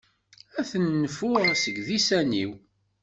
Ad t-nfuɣ seg disan-iw.